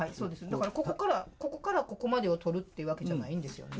だからここからここからここまでを取るっていうわけじゃないんですよね。